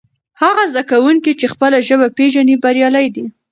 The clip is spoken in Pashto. هغه زده کوونکی چې خپله ژبه پېژني بریالی دی.